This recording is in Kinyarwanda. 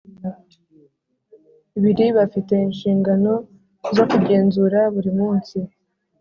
ibiri bafite inshingano zo kugenzura buri munsi